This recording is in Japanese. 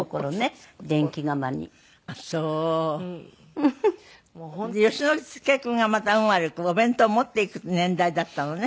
フフ。で善之介君がまた運悪くお弁当を持って行く年代だったのね。